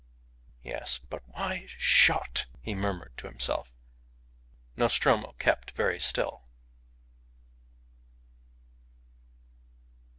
"Yes. But why shot?" he murmured to himself. Nostromo kept very still.